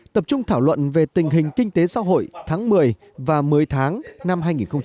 hai tập trung thảo luận về tình hình kinh tế xã hội tháng một mươi và một mươi tháng năm hai nghìn một mươi bảy